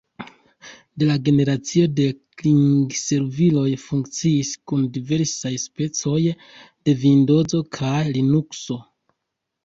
La generacio de klingo-serviloj funkciis kun diversaj specoj de Vindozo kaj Linukso.